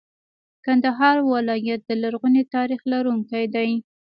کندهار ولایت د لرغوني تاریخ لرونکی دی.